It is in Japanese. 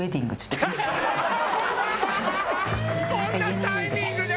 「こんなタイミングで」